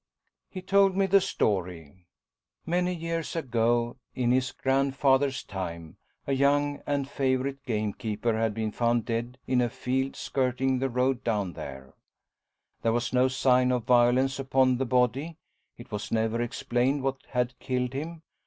He told me the story. Many years ago in his grandfather's time, a young and favourite gamekeeper had been found dead in a field skirting the road down there. There was no sign of violence upon the body; it was never explained what had killed him.